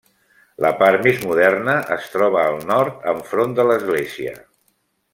La part més moderna es troba al nord, enfront de l'església.